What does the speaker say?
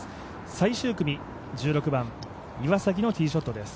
最終組、１６番、岩崎のティーショットです。